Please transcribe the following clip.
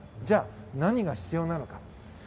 じゃあ何が必要なのか。